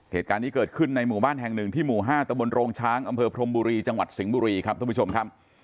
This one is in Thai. เหตุการณ์นี้เกิดขึ้นในหมู่บ้านแห่งหนึ่งที่หมู่๕ตะบนโรงช้างอำเภอพรมบุรีจังหวัดสิงห์บุรีครับท่านผู้ชมครับ